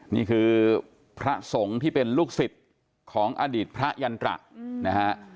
นี่คือพระสงฆ์ที่เป็นลูกศิษย์ของอดีตพระยันตระนะฮะ